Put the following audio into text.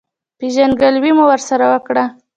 پېژندګلوي مو ورسره وکړه.